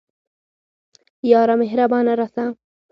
یاره مهربانه راسه